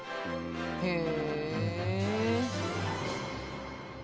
へえ。